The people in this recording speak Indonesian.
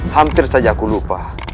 hampir saja aku lupa